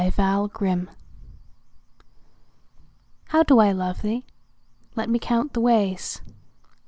XLIII How do I love thee? Let me count the ways.